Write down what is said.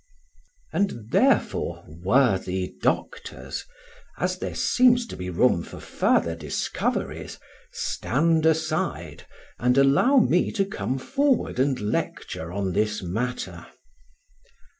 And therefore, worthy doctors, as there seems to be room for further discoveries, stand aside, and allow me to come forward and lecture on this matter.